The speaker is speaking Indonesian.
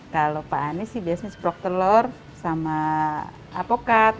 kalau pak anies sih biasanya seprok telur sama apokat